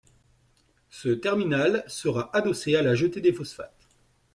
Ce terminal sera adossé à la jetée des phosphates.